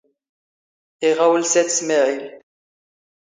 ⵉⵖⴰⵡⵍ ⵙ ⴰⵜ ⵙⵎⴰⵄⵉⵍ.